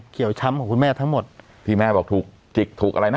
ช้ำของคุณแม่ทั้งหมดที่แม่บอกถูกจิกถูกอะไรนะ